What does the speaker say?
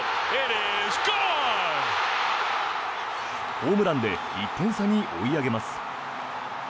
ホームランで１点差に追い上げます。